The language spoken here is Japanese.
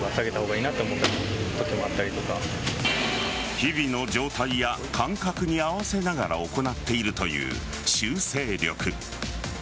日々の状態や感覚に合わせながら行っているという修正力。